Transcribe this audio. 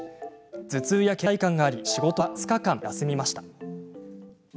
頭痛やけん怠感があり仕事は２日間休みました。